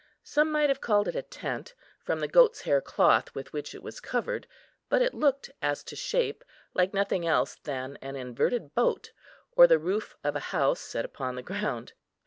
Some might have called it a tent, from the goat's hair cloth with which it was covered; but it looked, as to shape, like nothing else than an inverted boat, or the roof of a house set upon the ground.